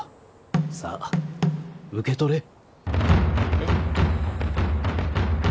さあ受け取れ。え？